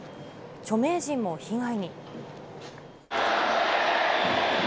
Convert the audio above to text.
著名人も被害に。